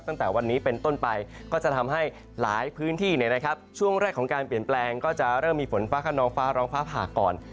ตั้งแต่วันนี้เป็นต้นไปก็จะทำให้หลายพื้นที่ช่วงแรกของการเปลี่ยนแปลงก็จะเริ่มมีฝนฟ้าขนองฟ้าร้องฟ้าผ่าก่อน